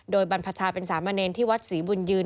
โดยบรรพชาเป็นสามเณรที่วัดศรีบุญยืน